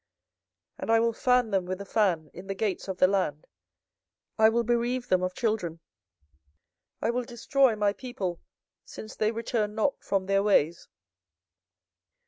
24:015:007 And I will fan them with a fan in the gates of the land; I will bereave them of children, I will destroy my people since they return not from their ways.